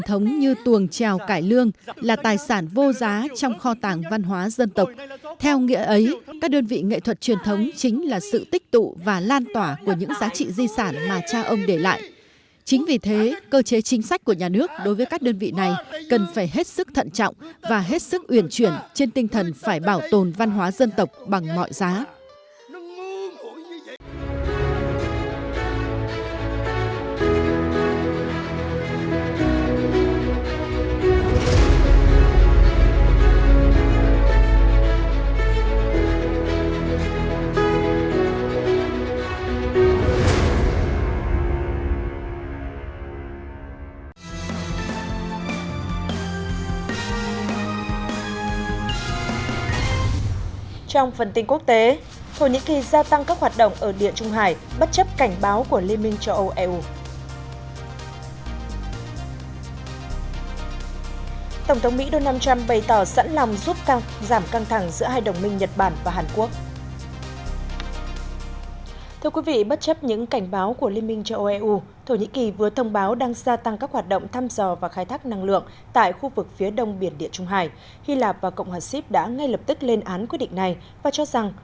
hy lạp và cộng hòa xíp đã ngay lập tức lên án quyết định này và cho rằng đây là hành động không thể chấp nhận được